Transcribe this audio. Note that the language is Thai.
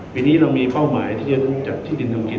ปีนี้เรามีเป้าหมายที่จะต้องจัดที่ดินทำกิน